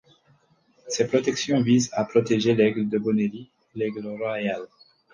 Ces protections visent à protéger l'Aigle de Bonelli et l’Aigle royal.